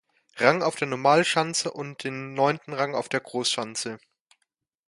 Rang auf der Normalschanze und den neunten Rang auf der Großschanze.